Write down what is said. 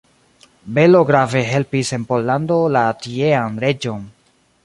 Belo grave helpis en Pollando la tiean reĝon.